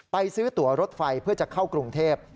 ซื้อตัวรถไฟเพื่อจะเข้ากรุงเทพ